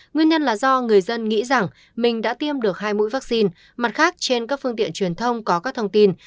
nguyên nhân là do người dân nghĩ rằng mình đã tiêm được hai mũi vaccine mặt khác trên các phương tiện truyền thông có các thông tin